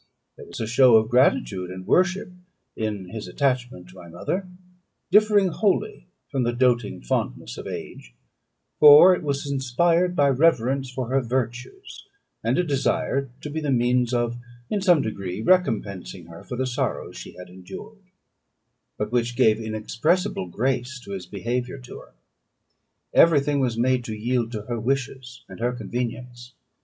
There was a show of gratitude and worship in his attachment to my mother, differing wholly from the doating fondness of age, for it was inspired by reverence for her virtues, and a desire to be the means of, in some degree, recompensing her for the sorrows she had endured, but which gave inexpressible grace to his behaviour to her. Every thing was made to yield to her wishes and her convenience.